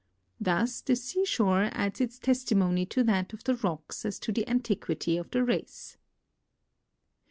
Thus the seashore adds its tes timony to that of the rocks as to the antiquity of the race.